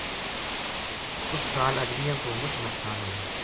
اُس سال اجڑیاں کو مُچ نقصان ہویو